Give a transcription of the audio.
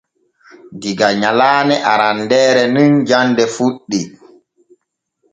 Diga nyalaane arandeere nin jande fuɗɗi.